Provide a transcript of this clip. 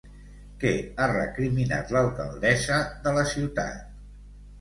Què ha recriminat a l'alcaldessa de la ciutat?